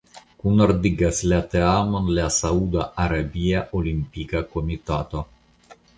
Kunordigas la teamon la Sauda Arabia Olimpika Komitato.